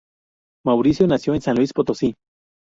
Mauricio nació en San Luis Potosí.